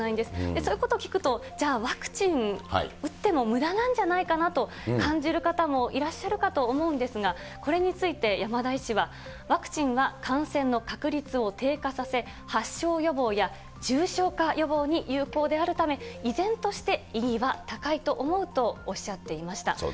そういうことを聞くと、じゃあ、ワクチン打ってもむだなんじゃないかなと感じる方もいらっしゃるかと思うんですが、これについて、山田医師は、ワクチンは、感染の確率を低下させ、発症予防や重症化予防に有効であるため、依然として意義は高いと思うとおっしゃっていました。